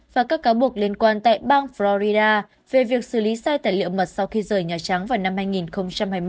và các cáo buộc liên quan tại bang florida về việc xử lý sai tài liệu mật sau khi rời nhà trắng vào năm hai nghìn hai mươi một